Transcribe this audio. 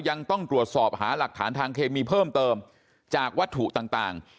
ยังต้องตรวจสอบหาหลักฐานทางเคมีเพิ่มเติมจากวัตถุต่าง